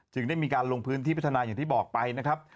ได้มีการลงพื้นที่พัฒนาอย่างที่บอกไปนะครับ